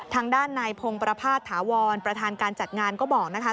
ทางด้านนายพงศ์ประพาทถาวรประธานการจัดงานก็บอกนะคะ